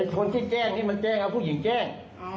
คนที่แจ้งนี่มันแจ้งเอาผู้หญิงแจ้ง